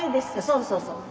そうそうそう。